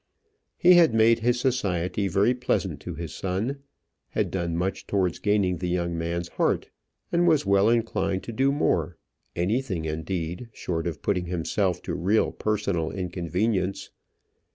He had made his society very pleasant to his son, had done much towards gaining the young man's heart, and was well inclined to do more anything, indeed, short of putting himself to real personal inconvenience.